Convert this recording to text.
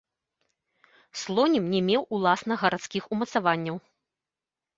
Слонім не меў уласна гарадскіх умацаванняў.